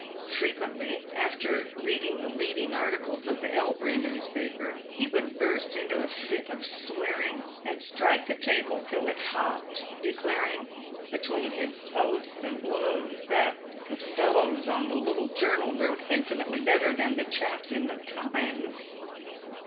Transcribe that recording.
Frequently, after reading the leading articles of the Elbury newspaper, he would burst into a fit of swearing, and strike the table till it hopped, declaring, between his oaths and blows, that "the fellows on the little journal wrote infinitely better than the chaps in the Times."